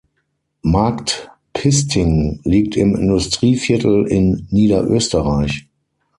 Markt Piesting liegt im Industrieviertel in Niederösterreich.